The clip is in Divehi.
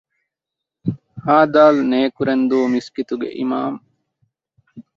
ހދ. ނޭކުރެންދޫ މިސްކިތުގެ އިމާމު